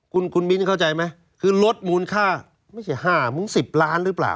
คุณมิ้นเข้าใจไหมคือลดมูลค่าไม่ใช่๕มึง๑๐ล้านหรือเปล่า